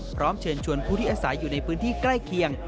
พร้อมเชิญชวนผู้ที่อาศัยอยู่ในพื้นที่ใกล้เคียง